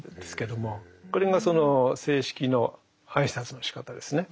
これがその正式の挨拶のしかたですね。